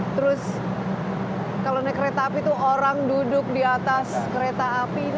terus kalau naik kereta api itu orang duduk di atas kereta api